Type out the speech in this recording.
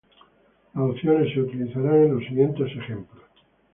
Las opciones se utilizarán en los siguientes ejemplos.